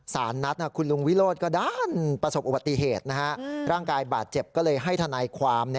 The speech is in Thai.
สารนัดคุณลุงวิโรธก็ด้านประสบอุบัติเหตุร่างกายบาดเจ็บก็เลยให้ทนายความ